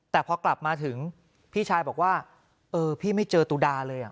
แต่พอกลับมาถึงพี่ชายบอกว่าเออพี่ไม่เจอตุดาเลย